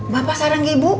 bapak sarang ibu